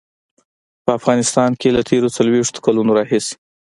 په افغانستان کې له تېرو څلويښتو کالو راهيسې.